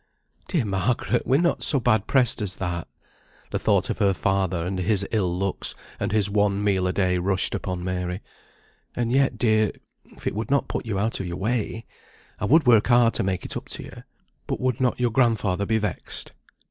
"Dear Margaret, we're not so bad pressed as that." (The thought of her father, and his ill looks, and his one meal a day, rushed upon Mary.) "And yet, dear, if it would not put you out o' your way, I would work hard to make it up to you; but would not your grandfather be vexed?"